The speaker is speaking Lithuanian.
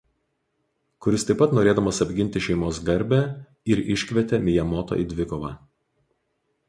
Kuris taip pat norėdamas apginti šeimos garbę ir iškvietė Mijamoto į dvikovą.